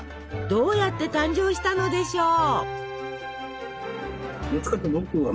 どうやって誕生したのでしょう？